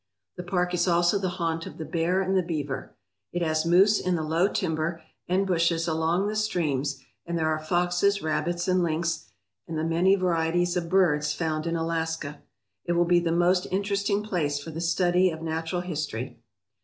The park is also the haunt of the bear and the beaver. It has moose in the low timber and bushes along the streams and there are foxes, rabbits, and lynx, and the many varieties of birds found in Alaska. It will be the most interesting place for the study of natural history.